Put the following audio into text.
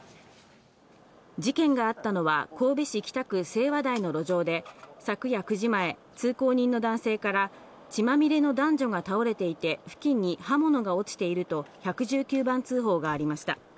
事件があったのは神戸市北区星和台の路上で昨夜９時前、通行人の男性から血まみれの男女が倒れていて、付近に刃物が落ちていると１１９番通報がありました。